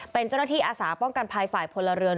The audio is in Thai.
เป็นเจ้าหน้าที่อาสาป้องกันภัยฝ่ายพลเรือน